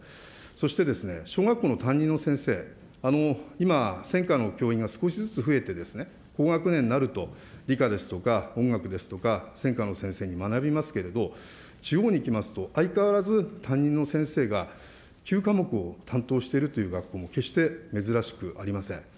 そして、小学校の担任の先生、今、専科の教員が少しずつ増えて、高学年になると理科ですとか音楽ですとか、専科の先生に学びますけれども、地方に行きますと、相変わらず担任の先生が９科目を担当しているという学校も決して珍しくありません。